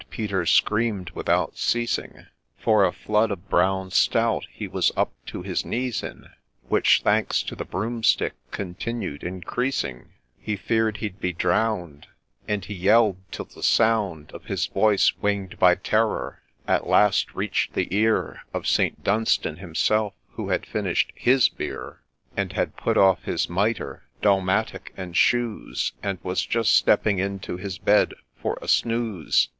Peter scream'd without ceasing, For a flood of brown stout he was up to his knees in, Which, thanks to the Broomstick, continued increasing ; He fear'd he'd be drown'd, And he yell'd till the sound Of his voice, wing'd by terror, at last reach'd the ear Of St. Dunstan himself, who had finish'd his beer. And had put off his mitre, dalmatic, and shoes, And was just stepping into his bed for a snooze.